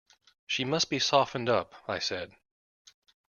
"She must be softened up," I said.